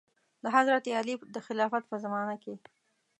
د حضرت علي د خلافت په زمانه کې.